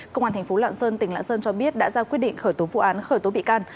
công an thành phố lạng sơn tỉnh lạng sơn cho biết đã ra quyết định khởi tố vụ án khởi tố bị can